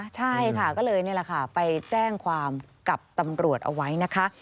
ใช่ค่ะก็เลยนี่แหละค่ะไปแจ้งความกับตำรวจเอาไว้นะคะ